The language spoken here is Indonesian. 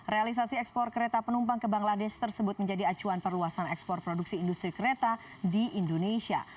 realisasi ekspor kereta penumpang ke bangladesh tersebut menjadi acuan perluasan ekspor produksi industri kereta di indonesia